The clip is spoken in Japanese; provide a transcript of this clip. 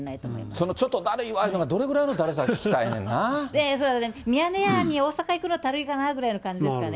そのちょっとだるいわいうのが、どれぐらいのだるさか、聞きそれは、ミヤネ屋に大阪行くの、だるいかなぐらいの感じですかね。